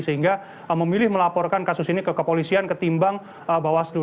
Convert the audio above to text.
sehingga memilih melaporkan kasus ini ke kepolisian ketimbang bawaslu